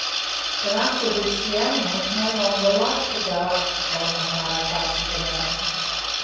But after this the animals no longer like to go up on the higher parts of the mountain.